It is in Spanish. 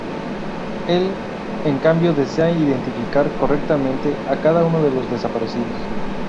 Él, en cambio, desea identificar correctamente a cada uno de los desaparecidos.